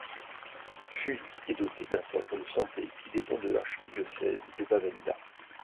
Fuli est doté d'un centre de santé qui dépend de l'archidiocèse de Bamenda.